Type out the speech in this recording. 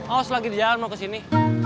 aos lagi di jalan mau kesini